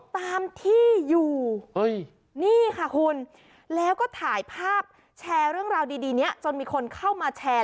ตามที่อยู่นี่ค่ะคุณแล้วก็ถ่ายภาพแชร์เรื่องราวดีนี้จนมีคนเข้ามาแชร์